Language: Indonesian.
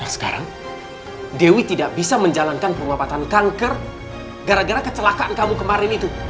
sekarang dewi tidak bisa menjalankan pengobatan kanker gara gara kecelakaan kamu kemarin itu